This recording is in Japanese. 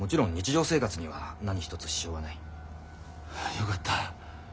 よかった。